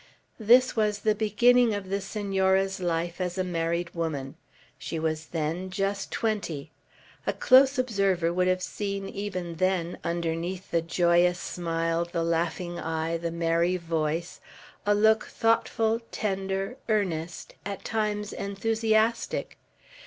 This was the beginning of the Senora's life as a married woman. She was then just twenty. A close observer would have seen even then, underneath the joyous smile, the laughing eye, the merry voice, a look thoughtful, tender, earnest, at times enthusiastic.